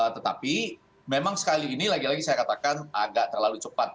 tetapi memang sekali ini lagi lagi saya katakan agak terlalu cepat